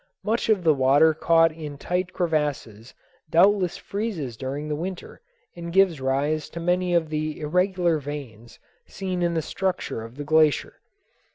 Much of the water caught in tight crevasses doubtless freezes during the winter and gives rise to many of the irregular veins seen in the structure of the glacier.